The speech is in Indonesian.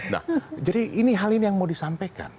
nah jadi ini hal ini yang mau disampaikan